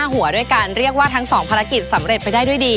หัวด้วยการเรียกว่าทั้ง๒ภารกิจสำเร็จไปได้ด้วยดี